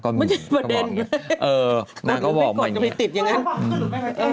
มันจะประเด็นไหมมันก็ไม่กดจะไปติดอย่างนั้นเออมันก็บอกว่าอย่างนี้